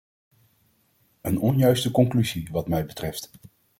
Een onjuiste conclusie wat mij betreft.